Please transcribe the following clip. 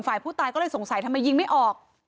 ฝ่ายผู้ตายก็เลยสงสัยทำไมยิงไม่ออก